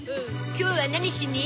今日は何しに？